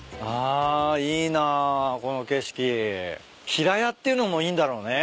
平屋っていうのもいいんだろうね。